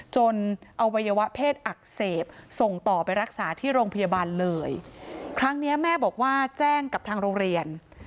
จนเอาวัยวะเพศอักเสบส่งต่อไปรักษาที่โรงพยาบาลเลยครั้งเนี้ยแม่บอกว่าแจ้งกับทางโรงเรียน